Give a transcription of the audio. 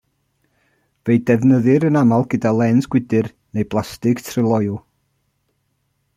Fe'i defnyddir yn aml gyda lens gwydr neu blastig tryloyw.